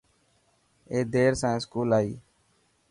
اي دير سان اسڪول آئي.